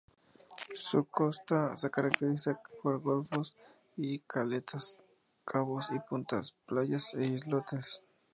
Su costa se caracteriza por golfos y caletas, cabos y puntas, playas e islotes.